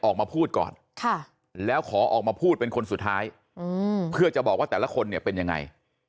ออกมาพูดก่อนแล้วขอออกมาพูดเป็นคนสุดท้ายเพื่อจะบอกว่าแต่ละคนเนี่ยเป็นยังไง